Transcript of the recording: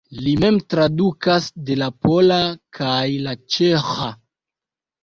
Li mem tradukas de la pola kaj la ĉeĥa.